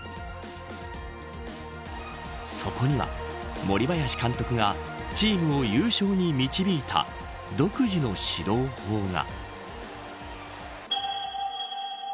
そこには森林監督がチームを優勝に導いた独自の指導法が。